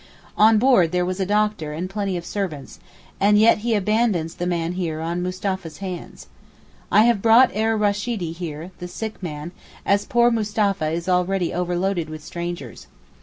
On board there was a doctor and plenty of servants, and yet he abandons the man here on Mustapha's hands. I have brought Er Rasheedee here (the sick man) as poor Mustapha is already overloaded with strangers.